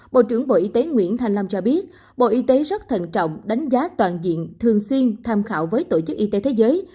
bộ trưởng bộ y tế nguyễn thành long cho biết bộ y tế rất thận trọng đánh giá toàn diện thường xuyên tham khảo với tổ chức y tế thế giới